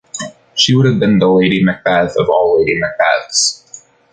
She would have been the Lady Macbeth of all Lady Macbeths.